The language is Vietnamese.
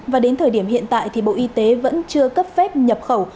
và đến thời điểm hiện tại thì bộ y tế vẫn chưa cấp phép nhập khẩu